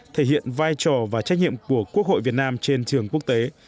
thể hiện vai trò và trách nhiệm của quốc hội việt nam trên trường quốc tế